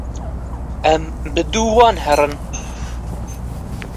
em bi dû wan herin